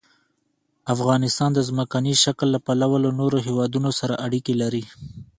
افغانستان د ځمکني شکل له پلوه له نورو هېوادونو سره اړیکې لري.